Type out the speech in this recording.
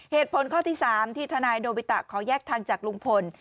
เหตุผลข้อที่๓ที่ทนายโดบิตะขอแยกทางจากลุงพล